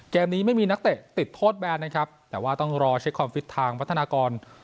เกมนี้ไม่มีนักเตะติดโทษแบนนะครับแต่ว่าต้องรอเช็คความฟิตทางพัฒนากร